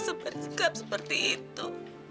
seperti sikap seperti itu